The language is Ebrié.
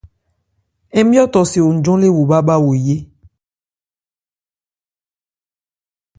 Ńmjɔ́ tɔ se wo njɔn lê wo bhâ bhá wo yé.